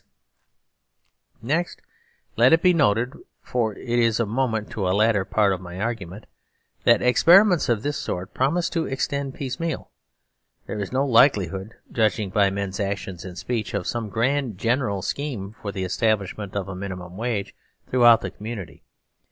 169 THE SERVILE STATE Next, let it be noted (for it is of moment to a later part of my argument) that experiments of this sort promise to extend piecemeal. There is no likelihood, judging by men's actions and speech, of some grand general scheme for the establishment of a minimum wage throughout the community.